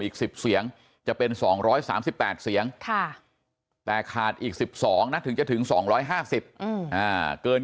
อีก๑๐เสียงจะเป็น๒๓๘เสียงแต่ขาดอีก๑๒นะถึงจะถึง๒๕๐เกิน